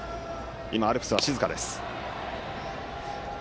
アルプスは静かです。